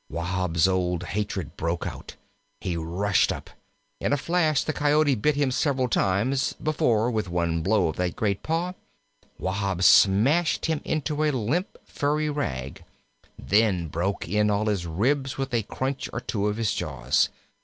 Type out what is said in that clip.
Wahb's old hatred broke out. He rushed up. In a flash the Coyote bit him several times before, with one blow of that great paw, Wahb smashed him into a limp, furry rag; then broke in all his ribs with a crunch or two of his jaws.